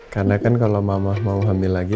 karena kan kalau mamah mau hamil lagi